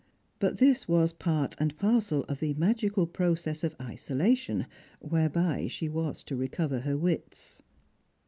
Bnt tliis was part and parcel of the magical process of isolation wliereby she was to recover her wits.